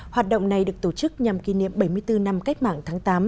hoạt động này được tổ chức nhằm kỷ niệm bảy mươi bốn năm cách mạng tháng tám